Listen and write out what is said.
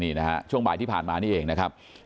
นี่นะฮะช่วงบ่ายที่ผ่านมานี่เองนะครับ